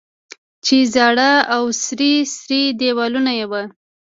چې زاړه او څیري څیري دیوالونه یې وو.